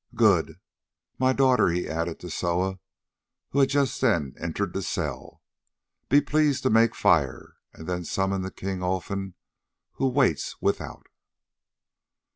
"Good. My daughter," he added to Soa, who just then entered the cell, "be pleased to make fire, and then summon the king Olfan, who waits without."